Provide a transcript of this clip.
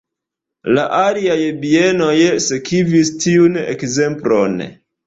La aliaj bienoj sekvis tiun ekzemplon.